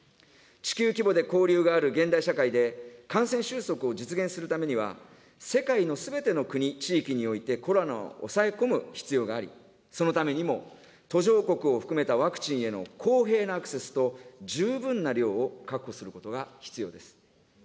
地球規模で交流がある現代社会で、感染収束を実現するためには、世界のすべての国・地域において、コロナを抑え込む必要があり、そのためにも、途上国を含めたワクチンへの公平なアクセスと、十分な量を確保することが必要です。